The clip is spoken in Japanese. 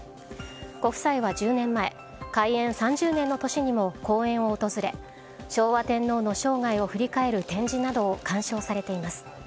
ご夫妻は、１０年前開園３０年の年にも公園を訪れ昭和天皇の生涯を振り返る展示などを鑑賞されています。